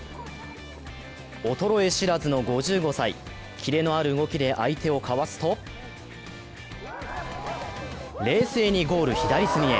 衰え知らずの５５歳、切れのある動きで相手をかわすと冷静にゴール左隅へ。